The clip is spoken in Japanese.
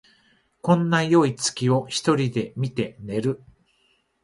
こんなよい月を一人で見て寝る